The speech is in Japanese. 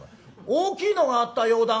大きいのがあったようだがな」。